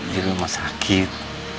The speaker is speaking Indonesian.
di rumah sakit